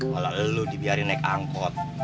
walau lo dibiarin naik angkot